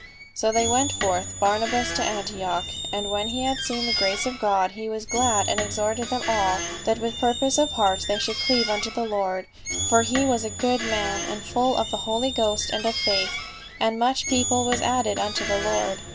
" So they sent forth Barnabas to Antioch ; and when he had seen the grace of God, he was glad and ex horted them all, that with purpose of heart they should cleave unto the Lord. For he was a good man, and full of the Holy Ghost and of faith ; and much people was added unto the Lord.